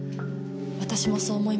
私もそう思います。